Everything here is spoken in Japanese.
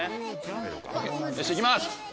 よしいきます！